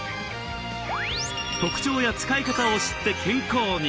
特徴や使い方を知って健康に。